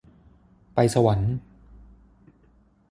ไปสวรรค์